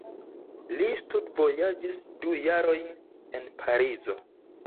Li studvojaĝis du jarojn en Parizo.